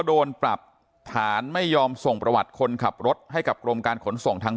โดนปรับฐานไม่ยอมส่งประวัติคนขับรถให้กับกรมการขนส่งทางบ